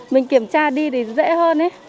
kiểm tra đi thì dễ hơn đấy